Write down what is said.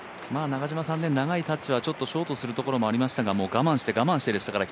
長いタッチはちょっと、ショートするところもありましたが、我慢して我慢してでしたからね